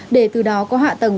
để từ đó có hạ tầng